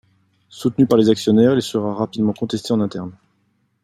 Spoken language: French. Soutenu par les actionnaires, il sera rapidement contesté en interne.